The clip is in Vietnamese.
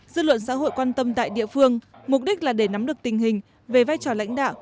dư luận xã hội quan tâm tại địa phương mục đích là để nắm được tình hình về vai trò lãnh đạo